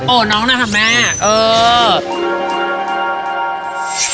โอ้น้องหน่อยค่ะแม่เออ